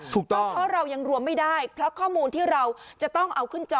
ถูกต้องเพราะเรายังรวมไม่ได้เพราะข้อมูลที่เราจะต้องเอาขึ้นจอ